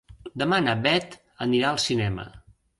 Demà na Bet anirà al cinema.